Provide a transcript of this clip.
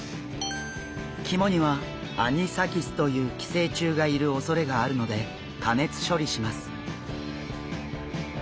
肝にはアニサキスという寄生虫がいるおそれがあるので加熱処理します。